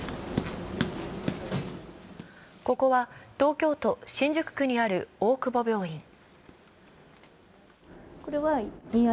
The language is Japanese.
ここは東京都新宿区にある大久保病院。